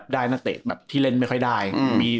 ได้นักเตะแบบที่เล่นไม่ค่อยได้